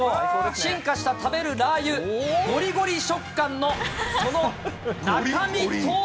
進化した食べるラー油、ごりごり食感のその中身とは。